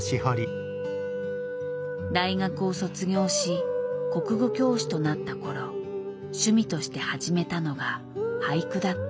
大学を卒業し国語教師となった頃趣味として始めたのが俳句だった。